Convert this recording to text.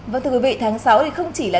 vâng thưa quý vị tháng sáu thì không chỉ là